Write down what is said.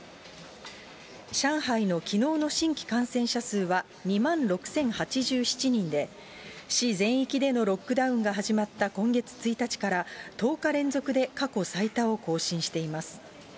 上海のきのうの新規感染者数は２万６０８７人で、市全域でのロックダウンが始まった今月１日から、１０日連続で過去最多を更新しています。